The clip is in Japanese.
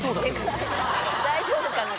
大丈夫かな？